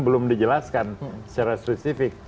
belum dijelaskan secara spesifik